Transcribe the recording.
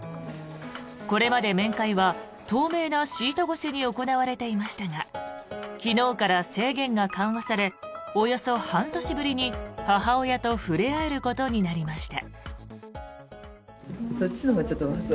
これまで、面会は透明なシート越しに行われていましたが昨日から制限が緩和されおよそ半年ぶりに母親と触れ合えることになりました。